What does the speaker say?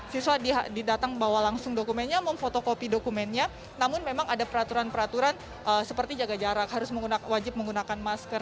siswa didatang bawa langsung dokumennya memfotokopi dokumennya namun memang ada peraturan peraturan seperti jaga jarak harus menggunakan wajib menggunakan masker